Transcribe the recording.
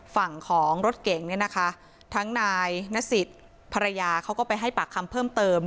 ฝั่งของรถเก่งเนี่ยนะคะทั้งนายนสิทธิ์ภรรยาเขาก็ไปให้ปากคำเพิ่มเติม